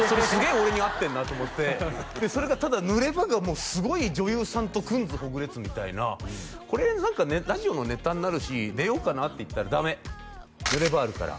俺に合ってんなと思ってでそれがただ濡れ場がもうすごい女優さんとくんずほぐれつみたいな「これラジオのネタになるし出ようかな」って言ったら「ダメ濡れ場あるから」